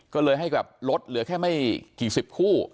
ก็เลยให้แบบลดเหลือแค่ไม่กี่สิบคู่